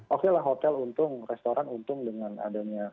oke lah hotel untung restoran untung dengan adanya